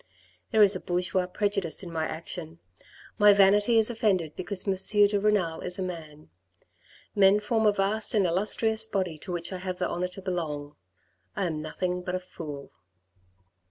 There is a bourgeois prejudice in my action; my vanity is offended because M. de Renal is a man. Men form a vast and illustrious body to which I have the honour to belong. I am nothing but a fool."